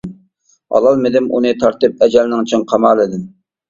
ئالالمىدىم ئۇنى تارتىپ ئەجەلنىڭ چىڭ قامالىدىن.